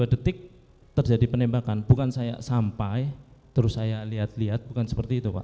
dua detik terjadi penembakan bukan saya sampai terus saya lihat lihat bukan seperti itu pak